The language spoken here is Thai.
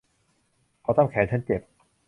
เขาทำแขนฉันเจ็บ